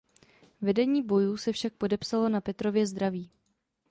Vedení bojů se však podepsalo na Petrově zdraví.